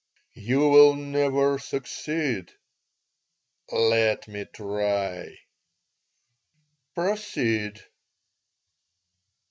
"'You will never succeed.' "'Let me try.' "'Proceed.'